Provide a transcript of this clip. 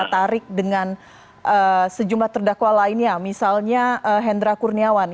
kita tarik dengan sejumlah terdakwa lainnya misalnya hendra kurniawan